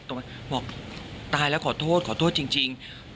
บอกตายแล้วขอโทษขอโทษจริง